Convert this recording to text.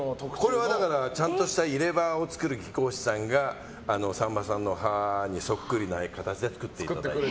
これはちゃんとした入れ歯を作る技工士さんがさんまさんの歯にそっくりな形で作っていただいて。